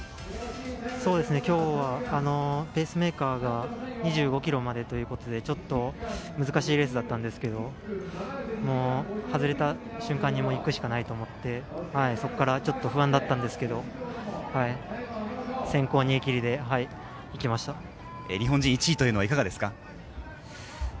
今日はペースメーカーが２５ｋｍまでということで、ちょっと難しいレースだったんですけれど、外れた瞬間にいくしかないと思って、そこからちょっと不安だったんですけれど、先行逃げ切りで日本人１位というのはいかがですか？